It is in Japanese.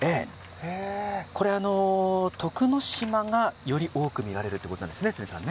これは、徳之島でより多く見られるということですね、常さん。